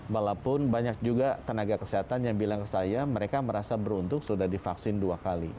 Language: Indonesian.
walaupun banyak juga tenaga kesehatan yang bilang ke saya mereka merasa beruntung sudah divaksin dua kali